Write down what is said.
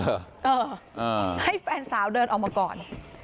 เออให้แฟนสาวเดินออกมาก่อน